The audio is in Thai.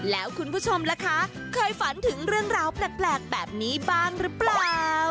แล้วคุณผู้ชมล่ะคะเคยฝันถึงเรื่องราวแปลกแบบนี้บ้างหรือเปล่า